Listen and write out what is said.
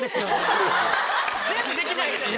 全部できてないですよね。